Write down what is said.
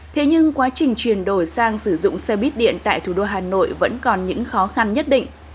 thế nhưng quá trình chuyển đổi sang sử dụng xe buýt điện tại thủ đô hà nội vẫn còn những khó khăn nhất định